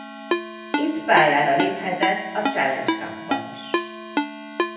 Itt pályára léphetett az Challenge Cup-ban is.